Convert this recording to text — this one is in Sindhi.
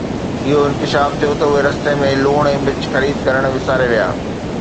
اهو انڪشاف ٿيو ته اهي رستي ۾ لوڻ ۽ مرچ خريد ڪرڻ وساري ويا